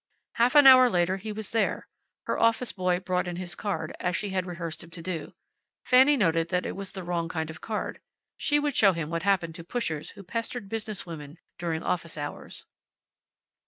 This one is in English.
Half an hour later he was there. Her office boy brought in his card, as she had rehearsed him to do. Fanny noted that it was the wrong kind of card. She would show him what happened to pushers who pestered business women during office hours.